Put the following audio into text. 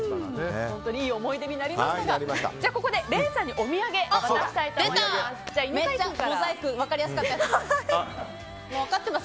いい思い出になりましたがここで礼さんにお土産を渡したいと思います。